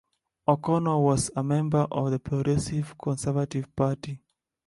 O'Connor was a member of the Progressive Conservative Party.